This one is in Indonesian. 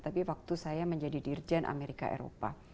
tapi waktu saya menjadi dirjen amerika eropa